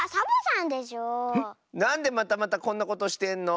なんでまたまたこんなことしてんの？